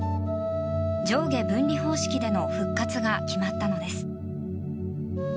上下分離方式での復活が決まったのです。